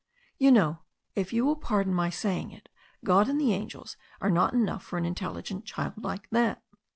"You know, if you will pardon my saying it, God and the angels are not enough for an in telligent child like that.